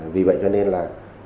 vì vậy cho nên là